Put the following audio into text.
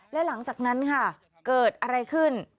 และหลังจากนั้นค่ะเกิดอะไรขึ้น